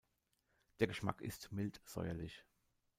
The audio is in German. Der Geschmack ist mild-säuerlich.